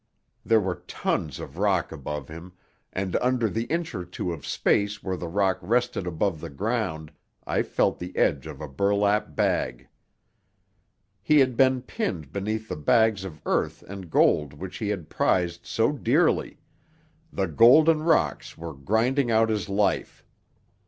There were tons of rock above him, and under the inch or two of space where the rock rested above the ground I felt the edge of a burlap bag. He had been pinned beneath the bags of earth and gold which he had prized so dearly; the golden rocks were grinding out his life.